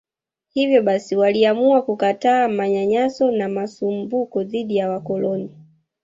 Hivyo basi waliamua kukataa manyanyaso na masumbuko dhidi ya wakoloni